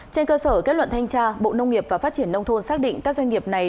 trên cơ sở kết luận thanh tra bộ nông nghiệp và phát triển nông thôn xác định các doanh nghiệp này